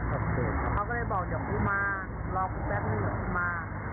เขาก็เลยบอกเดี๋ยวกูมารอกูแป๊บนึงเดี๋ยวกูมา